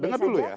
dengar dulu ya